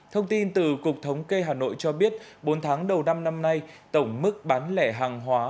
thông tin từ cục thống kê hà nội cho biết bốn tháng đầu năm năm nay tổng mức bán lẻ hàng hóa